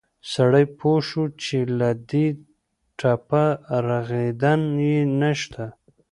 سړى پوى شو چې له دې ټپه رغېدن يې نه شته.